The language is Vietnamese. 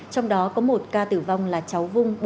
trong đó có một ca tử vong là cháu vung